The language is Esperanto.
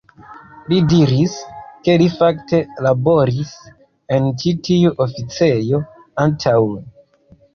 Li diris, ke li fakte laboris en ĉi tiu oficejo antaŭe.